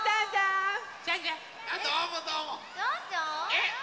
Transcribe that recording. えっ？